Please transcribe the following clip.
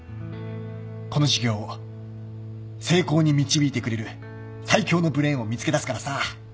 この事業を成功に導いてくれる最強のブレーンを見つけ出すからさ